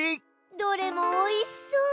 どれもおいしそう！